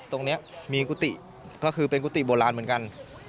ตรงนี้มีกุฏิก็คือเป็นกุฏิโบราณเหมือนกัน